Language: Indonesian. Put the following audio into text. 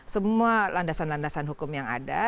semua landasan landasan hukum yang ada